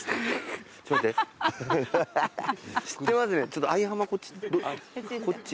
ちょっと相浜こっち。